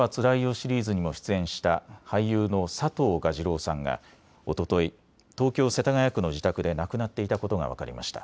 シリーズにも出演した俳優の佐藤蛾次郎さんがおととい、東京世田谷区の自宅で亡くなっていたことが分かりました。